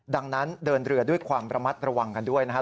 ดังนั้นเดินเรือด้วยความระมัดระวังกันด้วยนะครับ